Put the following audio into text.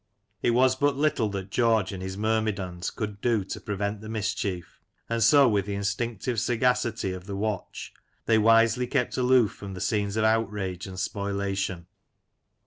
It was but little that George and his myrmidons could do to prevent the mischief, and so with the instinctive sagacity of the "watch," they wisely kept aloof from the scenes of outrage and spoliation.